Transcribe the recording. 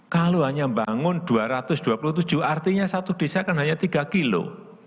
kalau hanya membangun dua ratus dua puluh tujuh artinya satu desa kan hanya tiga kilo